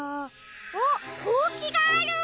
あっほうきがある！